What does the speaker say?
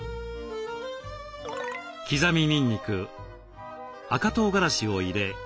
刻みにんにく赤とうがらしを入れ